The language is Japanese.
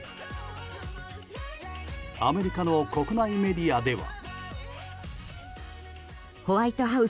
アメリカの国内メディアでは。